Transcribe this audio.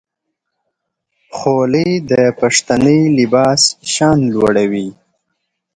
خولۍ د پښتني لباس شان لوړوي.